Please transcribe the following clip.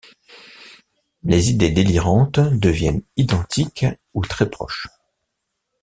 Les idées délirantes deviennent identiques ou très proches.